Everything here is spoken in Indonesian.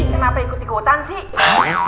kenapa ikut ikutan sih